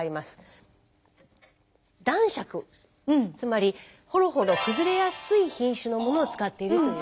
男爵つまりほろほろ崩れやすい品種のものを使っているという。